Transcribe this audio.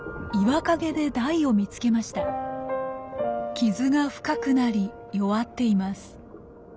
傷が深くなり弱っています。